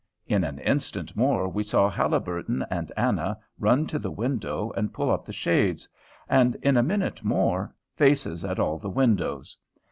In an instant more we saw Haliburton and Anna run to the window and pull up the shades, and, in a minute more, faces at all the windows.